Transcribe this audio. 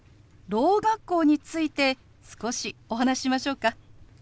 ろう学校について少しお話ししましょうか？